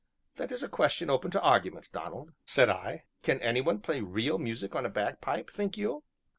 "That is a question open to argument, Donald," said I; "can any one play real music on a bagpipe, think you?"